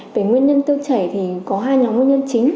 về nguyên nhân tiêu chảy thì có hai nhóm nguyên nhân chính